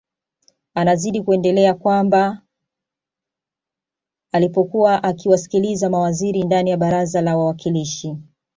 Anazidi kuendelea kwamba alipokuwa akiwasikiliza mawaziri ndani ya baraza la wawakilishi